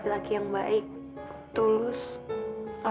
kau pikir macem macem ya